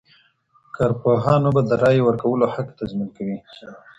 کارپوهانو به د رایې ورکولو حق تضمین کوی.